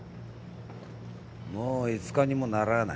もう５日にもならぁな。